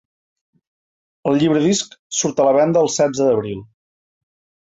El llibre-disc surt a la venda el setze d’abril.